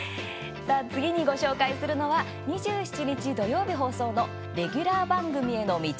続いて、ご紹介するのは２７日、土曜日放送の「レギュラー番組への道」。